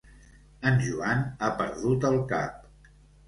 En Joan ha perdut el cap.